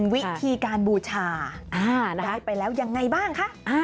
วิธีการบูชาได้ไปแล้วยังไงบ้างคะ